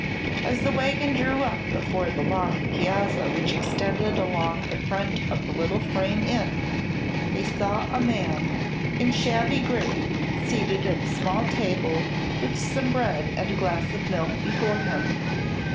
As the wagon drew up before the long piazza which extended along the front of the little frame inn they saw a man in shabby gray seated at a small table with some bread and a glass of milk before him.